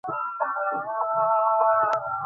বহুদিন পর এমন একটা বেস্ট জিনিস খুঁজে পেয়েছি।